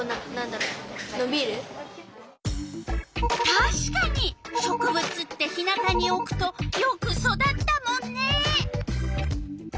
たしかに植物って日なたにおくとよく育ったもんね。